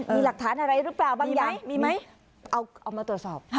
มีหลักฐานอะไรหรือเปล่าบางอย่างมีไหมเอามาตรวจสอบ